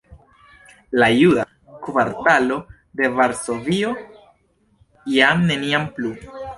La juda kvartalo de Varsovio jam neniam plu!